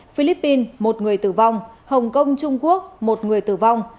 philippines một người tử vong hồng kông trung quốc một người tử vong